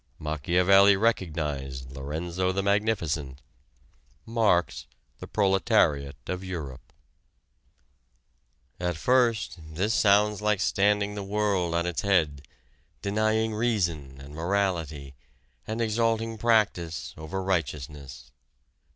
Machiavelli recognized Lorenzo the Magnificent; Marx, the proletariat of Europe. At first this sounds like standing the world on its head, denying reason and morality, and exalting practice over righteousness.